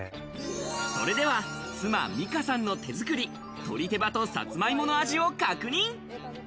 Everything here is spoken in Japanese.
それでは妻・美夏さんの手づくり、鳥手羽とサツマイモの味を確認。